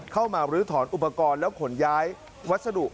เข้ามาบริษัทอุปกรณ์แล้วขนย้ายวัสดุ